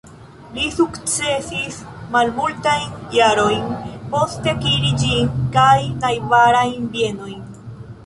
Li sukcesis malmultajn jarojn poste akiri ĝin kaj najbarajn bienojn.